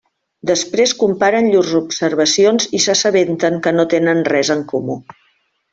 Després comparen llurs observacions i s'assabenten que no tenen res en comú.